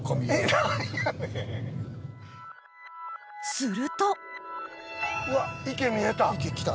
するとうわ池見えた。